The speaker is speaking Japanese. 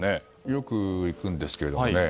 よく行くんですけどね。